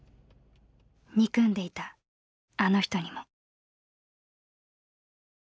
憎んでいたあの人にも。